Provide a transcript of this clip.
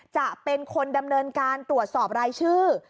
จะเป็นคนดำเนินการตรวจสอบรายชื่อ